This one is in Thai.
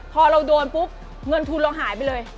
พอเราโดนปุ๊บเงินทุนเราหายไปเลย